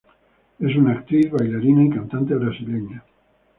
Es una actriz, bailarina y cantante brasileña.